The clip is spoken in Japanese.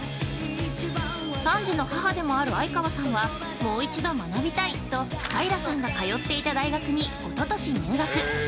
３児の母でもある相川さんは、もう一度学びたい！と平さんが通っていた大学におととし入学。